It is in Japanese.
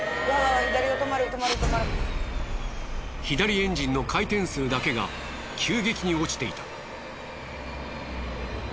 左エンジンの回転数だけが急激に落ちていた。